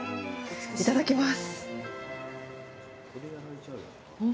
いただきます。